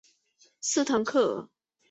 斯滕克尔。